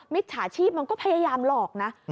จฉาชีพมันก็พยายามหลอกนะ